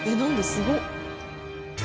すごっ。